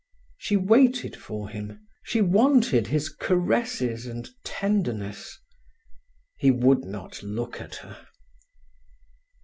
She waited for him. She wanted his caresses and tenderness. He would not look at her.